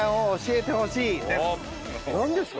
何ですか？